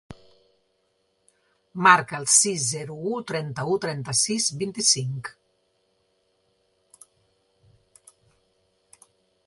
Marca el sis, zero, u, trenta-u, trenta-sis, vint-i-cinc.